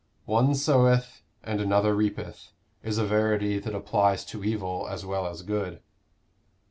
'One soweth, and another reapeth,' is a verity that applies to evil as well as good."